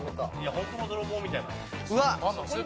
本当の泥棒みたいな。